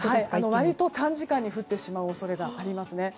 割と短時間に降ってしまう恐れがあります。